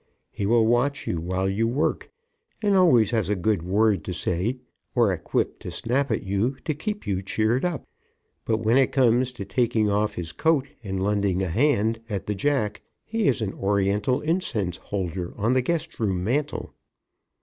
He will watch you while you work, and always has a good word to say or a quip to snap at you to keep you cheered up, but when it comes to taking off his coat and lending a hand at the jack he is an Oriental incense holder on the guest room mantel.